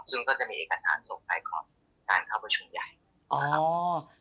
ซึ่งก็จะมีเอกสารส่งไปขอการเข้าประชุมใหญ่นะครับ